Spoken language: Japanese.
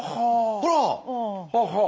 ほら！